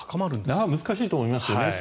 難しいと思いますよ。